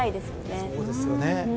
そうですよね。